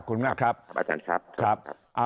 บาททัศน์ครับ